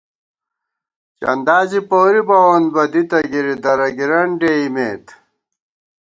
چندا زی پوری بَوون بہ دِتہ گِری، درَگِرَن ڈېئیمېت